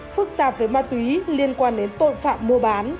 phức tạp với ma túy liên quan đến tội phạm mua bán